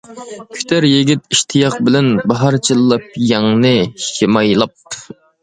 كۈتەر يىگىت ئىشتىياق بىلەن، باھار چىللاپ يەڭنى شىمايلاپ.